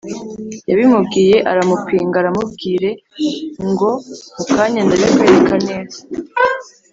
yabimubwiye aramupinga aramubwire ngo mukanya ndabikwereka neza